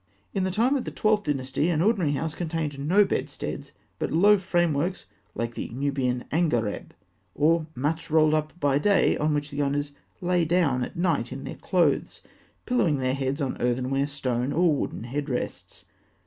In the time of the Twelfth Dynasty an ordinary house contained no bedsteads, but low frameworks like the Nubian angareb; or mats rolled up by day on which the owners lay down at night in their clothes, pillowing their heads on earthenware, stone, or wooden head rests.